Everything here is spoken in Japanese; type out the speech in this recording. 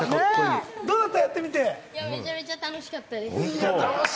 どうめちゃめちゃ楽しかったです。